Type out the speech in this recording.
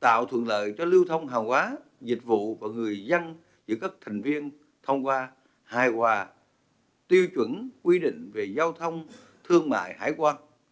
tạo thuận lợi cho lưu thông hàng hóa dịch vụ và người dân giữa các thành viên thông qua hài hòa tiêu chuẩn quy định về giao thông thương mại hải quan